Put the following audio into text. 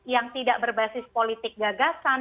yang tidak berbasis politik gagasan